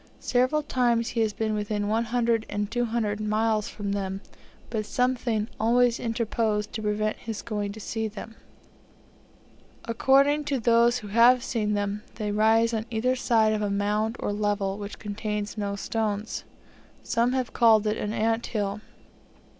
Several times he has been within 100 and 200 miles from them, but something always interposed to prevent his going to see them. According to those who have seen them, they rise on either side of a mound or level, which contains no stones. Some have called it an ant hill.